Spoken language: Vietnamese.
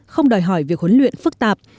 không đòi hỏi việc huấn luyện phức tạp